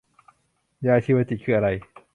ยาชีวจิตคืออะไร